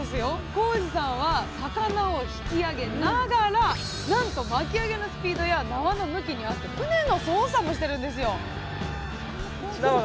航次さんは魚を引き上げながらなんと巻き上げのスピードや縄の向きに合わせて船の操作もしてるんですよ